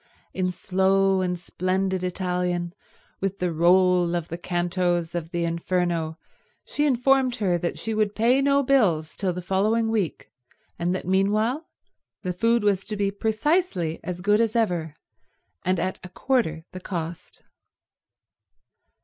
In slow and splendid Italian, with the roll of the cantos of the Inferno, she informed her that she would pay no bills till the following week, and that meanwhile the food was to be precisely as good as ever, and at a quarter the cost.